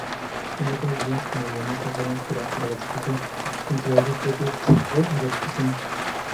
Sus primeros trabajos como guionista fueron para la televisión, con trabajos propios o adaptaciones.